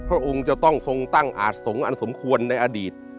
พระองค์จะต้องทรงตั้งอาจสงฆ์อันสมควรในอดีต